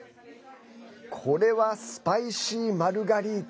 これはスパイシー・マルガリータ。